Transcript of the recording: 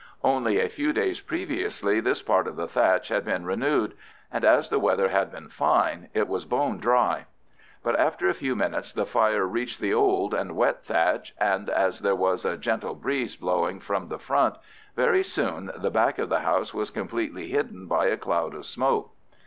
Only a few days previously this part of the thatch had been renewed, and as the weather had been fine it was bone dry. But after a few minutes the fire reached the old and wet thatch, and as there was a gentle breeze blowing from the front, very soon the back of the house was completely hidden by a cloud of smoke.